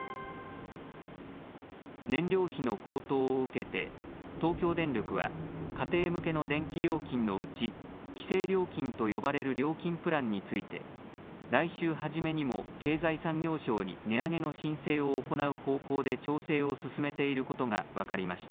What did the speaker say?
燃料費の高騰を受けて、東京電力は、家庭向けの電気料金のうち、規制料金と呼ばれる料金プランについて、来週初めにも経済産業省に値上げの申請を行う方向で調整を進めていることが分かりました。